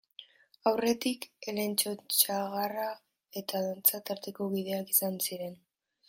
Aurretik, elektrotxaranga eta dantza taldeko kideak izan ziren.